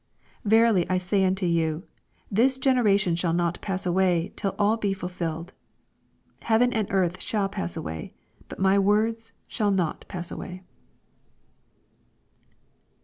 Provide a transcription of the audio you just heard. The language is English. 32 Verily I say unto you. This generation shall not pass away, till all be fulfilled. 33 Heaven and earth bhall pass away : but my words shall not pass away.